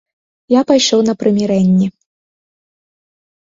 Я пайшоў на прымірэнне.